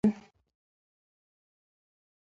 چې مرمۍ یې هر ځای پيدا کېدې، ګل جانې ته مې وویل.